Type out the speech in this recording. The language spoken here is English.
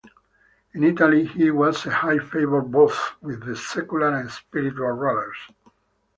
In Italy he was in high favour both with the secular and spiritual rulers.